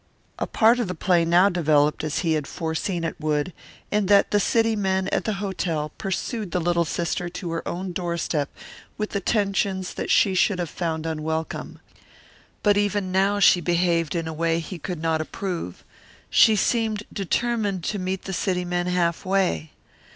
A part of the play now developed as he had foreseen it would, in that the city men at the hotel pursued the little sister to her own door step with attentions that she should have found unwelcome. But even now she behaved in a way he could not approve. She seemed determined to meet the city men halfway.